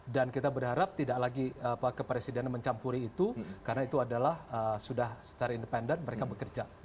dan kita berharap tidak lagi pak kepresiden mencampuri itu karena itu adalah sudah secara independen mereka bekerja